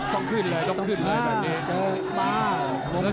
ตกขึ้นเลยตกขึ้นเลยแบบนี้